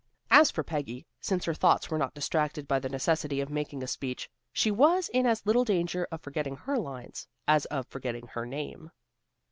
As for Peggy, since her thoughts were not distracted by the necessity of making a speech, she was in as little danger of forgetting her lines, as of forgetting her name.